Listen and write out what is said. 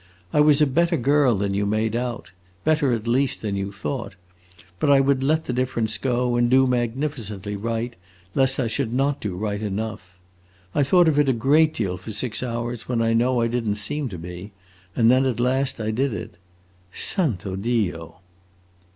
I was a better girl than you made out better at least than you thought; but I would let the difference go and do magnificently right, lest I should not do right enough. I thought of it a deal for six hours when I know I did n't seem to be, and then at last I did it! Santo Dio!"